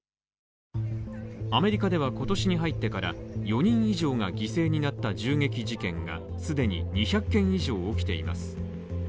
アメリカでは今年に入ってから４人以上が犠牲になった銃撃事件が、既に２００件以上起きています。